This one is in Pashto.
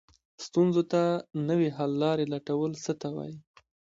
ستونزو ته نوې حل لارې لټول څه ته وایي؟